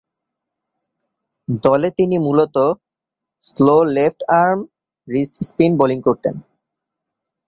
দলে তিনি মূলতঃ স্লো লেফট-আর্ম রিস্ট-স্পিন বোলিং করতেন।